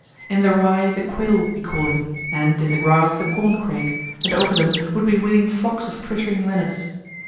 In the rye the quail would be calling, and, in the grass, the corncrake, and over them would be wheeling flocks of twittering linnets.